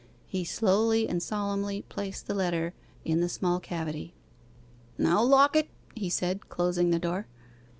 He slowly and solemnly placed the letter in the small cavity. 'Now lock it,' he said, closing the door.